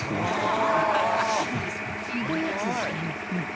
こういうやつですよね。